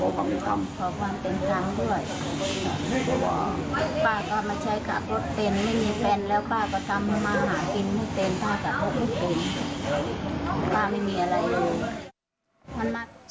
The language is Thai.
ป้าไม่มีอะไรดู